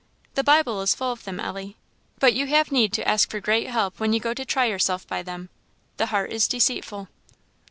_' The Bible is full of them, Ellie; but you have need to ask for great help when you go to try yourself by them; the heart is deceitful."